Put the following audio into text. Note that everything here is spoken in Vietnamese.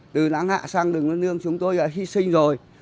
từ lãng hạ sang đường lê văn lương chúng tôi đã hy sinh rồi